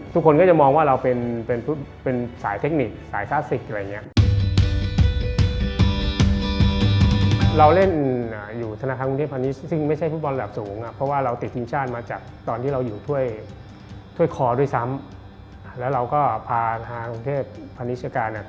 ทุกคนก็จะมองว่าเราเป็นสายเทคนิคสายคลาสสิก